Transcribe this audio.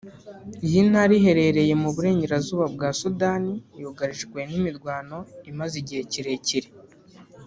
Iyi ntara iherereye mu Burengerazuba bwa Sudani yugarijwe n’imirwano imaze igihe kirekire